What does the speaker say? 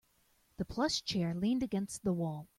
The plush chair leaned against the wall.